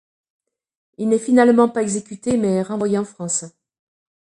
Il n’est finalement pas exécuté, mais renvoyé en France.